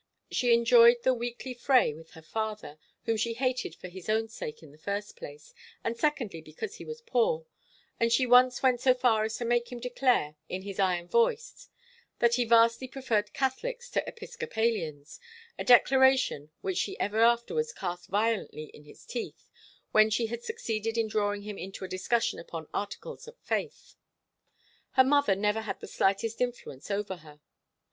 She enjoyed the weekly fray with her father, whom she hated for his own sake in the first place, and secondly because he was poor, and she once went so far as to make him declare, in his iron voice, that he vastly preferred Catholics to Episcopalians, a declaration which she ever afterwards cast violently in his teeth when she had succeeded in drawing him into a discussion upon articles of faith. Her mother never had the slightest influence over her.